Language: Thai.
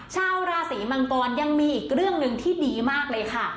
ชาวราศีมังกรยังมีอีกเรื่องหนึ่งที่ดีมากเลยค่ะ